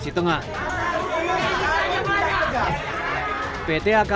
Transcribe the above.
sehingga di ketua komunikasi penguasa penyelidikan